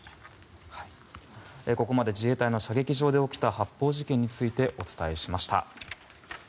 ここまで自衛隊の射撃場で起きた発砲事件についてお伝えしました。